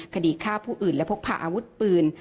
คดีฆ่าผู้อื่นและพกพาอาวุธปืน